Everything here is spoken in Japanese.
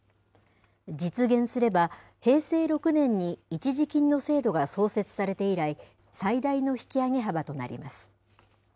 実現すれば平成６年に一時金の制度が創設されて以来、最大の引き上げ幅となります。